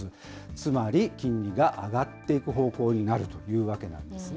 つまり金利が上がっていく方向になるというわけなんですね。